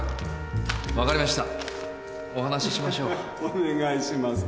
お願いします。